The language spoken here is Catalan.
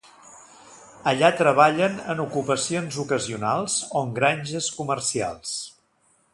Allà treballen en ocupacions ocasionals o en granges comercials.